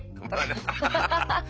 ハハハハッ！